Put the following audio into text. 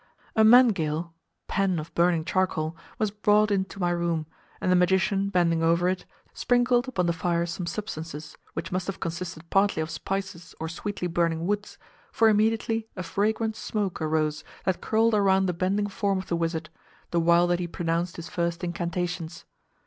A mangale (pan of burning charcoal) was brought into my room, and the magician bending over it, sprinkled upon the fire some substances which must have consisted partly of spices or sweetly burning woods, for immediately a fragrant smoke arose that curled around the bending form of the wizard, the while that he pronounced his first incantations.